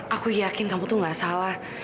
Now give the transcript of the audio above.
aku yakin kamu tuh gak salah